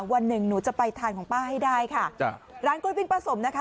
วันหนึ่งหนูจะไปทานของป้าให้ได้ค่ะจ้ะร้านกล้วยปิ้งป้าสมนะคะ